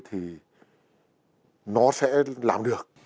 thì nó sẽ làm được